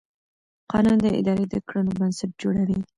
قانون د ادارې د کړنو بنسټ جوړوي.